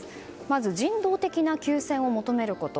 人道的な休戦を求めること。